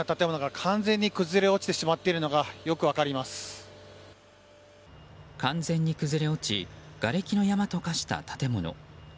完全に崩れ落ちがれきの山と化した建物。